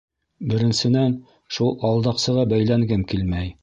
Беренсенән, шул алдаҡсыға бәйләнгем килмәй.